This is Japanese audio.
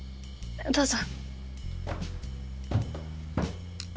どうぞ。